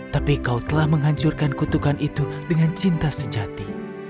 tapi kau telah menghancurkan kutukan itu dengan cinta sejati